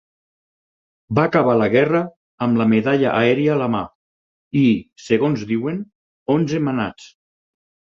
Va acabar la guerra amb la medalla aèria a la mà i, segons diuen, onze manats.